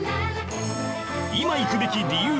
今行くべき理由